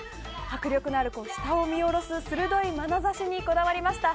迫力のある、下を見下ろす鋭いまなざしにこだわりました。